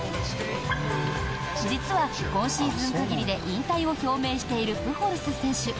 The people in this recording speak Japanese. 実は、今シーズン限りで引退を表明しているプホルス選手。